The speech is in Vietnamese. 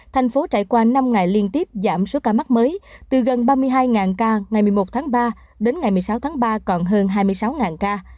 thành phố trải qua năm ngày liên tiếp giảm số ca mắc mới từ gần ba mươi hai ca ngày một mươi một tháng ba đến ngày một mươi sáu tháng ba còn hơn hai mươi sáu ca